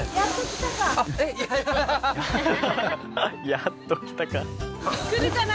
「やっと来たか」